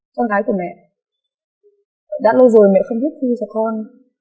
con gái của mẹ đã lâu rồi mẹ không viết thư cho con